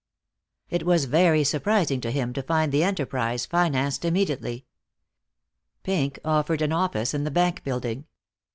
It was very surprising to him to find the enterprise financed immediately. Pink offered an office in the bank building.